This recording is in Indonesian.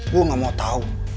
gue gak mau tau